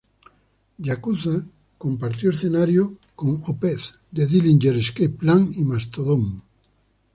Yakuza compartió escenario con Opeth, The Dillinger Escape Plan y Mastodon.